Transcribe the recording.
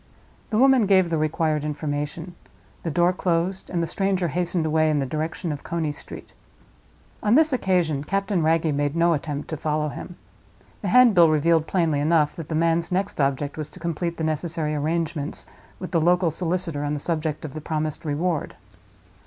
The woman gave the required information, the door closed, and the stranger hastened away in the direction of Coney Street. On this occasion Captain Wragge made no attempt to follow him. The handbill revealed plainly enough that the man's next object was to complete the necessary arrangements with the local solicitor on the subject of the promised reward.